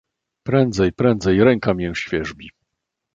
"Prędzej, prędzej, ręka mię świerzbi."